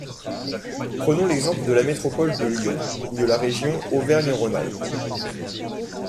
Prenons l’exemple de la métropole de Lyon, ou de la région Auvergne-Rhône-Alpes.